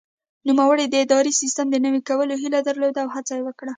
نوموړي د اداري سیسټم د نوي کولو هیله درلوده او هڅه یې وکړه.